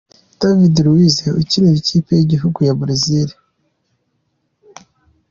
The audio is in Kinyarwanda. David Luiz ukinira ikipe y’igihugu cya Brazil.